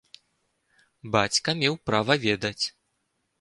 Бацька меў права ведаць.